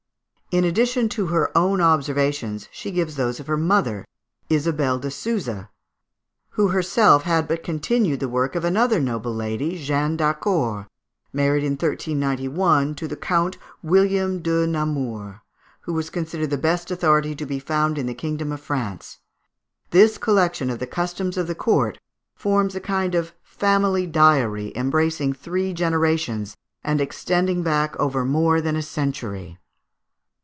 In addition to her own observations, she gives those of her mother, Isabelle de Souza, who herself had but continued the work of another noble lady, Jeanne d'Harcourt married in 1391 to the Count William de Namur who was considered the best authority to be found in the kingdom of France. This collection of the customs of the court forms a kind of family diary embracing three generations, and extending back over more than a century.